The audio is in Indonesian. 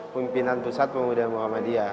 pemimpinan pusat pemuda muhammadiyah